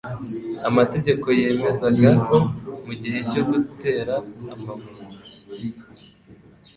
Amategeko yemezaga ko mu gihe cyo gutera amabuye,